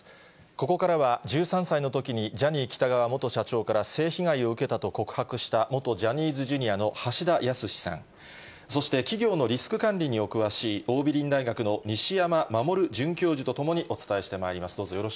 ここからは、１３歳のときにジャニー喜多川元社長から性被害を受けたと告白した元ジャニーズＪｒ．の橋田康さん、そして企業のリスク管理にお詳しい、桜美林大学の西山守准教授と共にお伝えしてまいります。